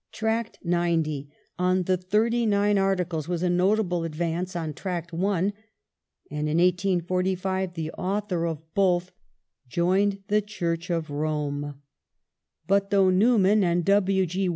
Tract XG — on the Thirty Nine Articles — was a notable advance on Tract /, and in 1845 the author of both joined the Church of Rome. But though Newman and W. G.